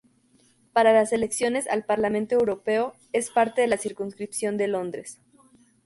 Para las elecciones al Parlamento Europeo, es parte de la circunscripción de Londres.